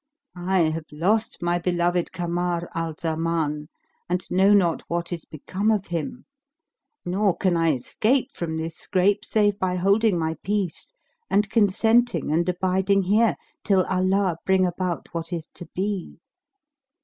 I have lost my beloved Kamar al Zaman and know not what is become of him; nor can I escape from this scrape save by holding my peace and consenting and abiding here, till Allah bring about what is to be."